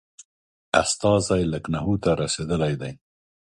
استازی لکنهو ته رسېدلی دی.